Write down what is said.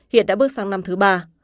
hiện đã bước sang năm thứ ba